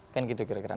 kan gitu kira kira